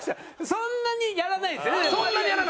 そんなにやらないのよ。